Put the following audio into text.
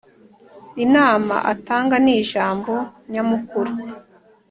Inama atanga ni ijambo nyamukuru